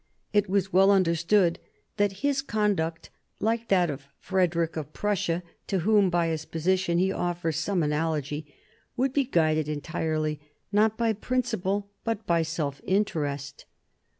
It was well understood that his conduct, like that of Frederick of Prussia, to whom by his position he offers some analogy, would be guided entirely, not by principle, but by self interest.